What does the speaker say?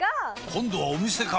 今度はお店か！